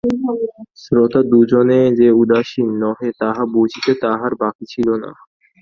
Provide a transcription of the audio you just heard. শ্রোতা দুইজনে যে উদাসীন নহে তাহা বুঝিতে তাঁহার বাকি ছিল না।